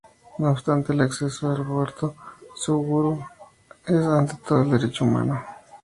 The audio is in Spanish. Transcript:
No obstante, el acceso al aborto seguro es ante todo un derecho humano.